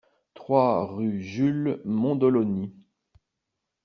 trois rue Jules Mondoloni